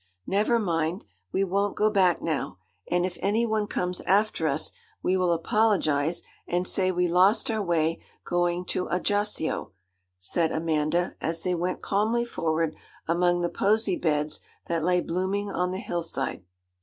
Never mind: we won't go back now; and if any one comes after us, we will apologize and say we lost our way going to Ajaccio,' said Amanda, as they went calmly forward among the posy beds that lay blooming on the hill side.